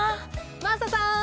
真麻さん！